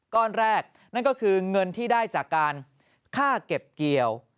ก้อนแรกนั่นก็คือเงินที่ได้จากการค่าเก็บเกี่ยว